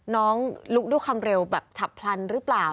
น้องลุกด้วยความเร็วแบบฉับพลันหรือเปล่า